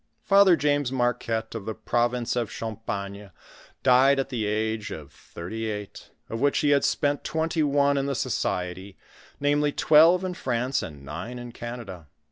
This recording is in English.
Father James Marquette, of the province of Champagne, died at the age of thu*ty eight, of which he had spent twenty one in the society, namely twelve in France, and nine in Canada.